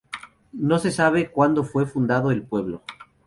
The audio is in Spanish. No se sabe cuando fue fundado el pueblo.